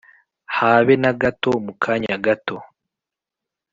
habe nagato mukanya gato